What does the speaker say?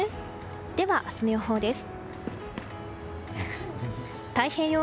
では、明日の予報です。